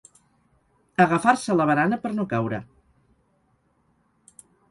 Agafar-se a la barana per no caure.